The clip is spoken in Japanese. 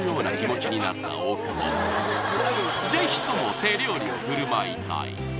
ぜひとも手料理を振る舞いたい